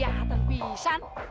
masa kelihatan pisan